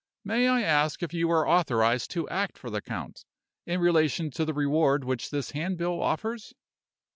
"May I ask if you are authorized to act for the count, in relation to the reward which this handbill offers?"